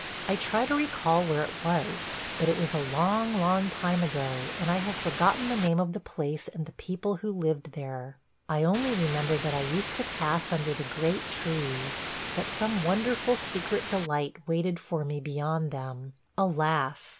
I try to recall where it was – but it was a long, long, time ago and I have forgotten the name of the place and the people who lived there. ... I only remember that I used to pass under the great trees, ... that some wonderful secret delight waited for me beyond them. Alas!